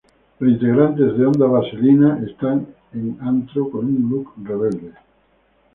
Los integrantes de Onda Vaselina están en antro con un look rebelde.